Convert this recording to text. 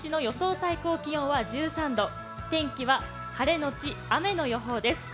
最高気温は１３度、天気は晴れのち雨の予報です。